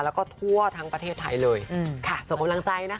แล้วก็ทั่วทั้งประเทศไทยเลยค่ะส่งกำลังใจนะคะ